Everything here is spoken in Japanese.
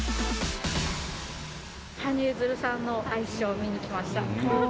羽生結弦さんのアイスショーを見に来ました。